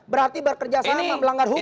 berarti bekerja sama melanggar hukum